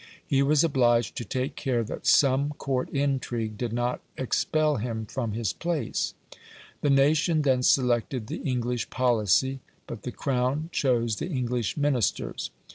He was obliged to take care that some court intrigue did not expel him from his place. The nation then selected the English policy, but the Crown chose the English Ministers.